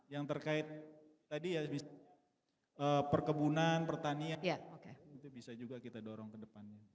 yang terkait tadi ya perkebunan pertanian itu bisa juga kita dorong ke depannya